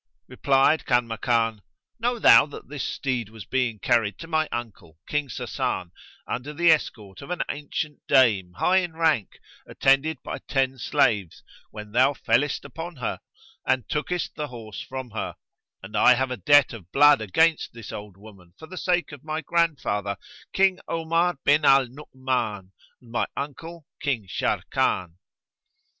Replied Kan makan, "Know thou that this steed was being carried to my uncle King Sasan, under the escort of an ancient dame high in rank attended by ten slaves, when thou fellest upon her and tookest the horse from her; and I have a debt of blood against this old woman for the sake of my grandfather King Omar bin al Nu'uman and my uncle King Sharrkan.'